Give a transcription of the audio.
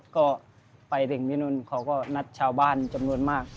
ก็ไปถึงที่นู่นเขาก็นัดชาวบ้านจำนวนมาก